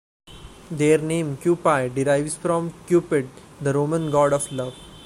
Their name, "Kewpie", derives from Cupid, the Roman god of love.